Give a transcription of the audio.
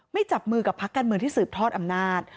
จับมือกับพักการเมืองที่สืบทอดอำนาจ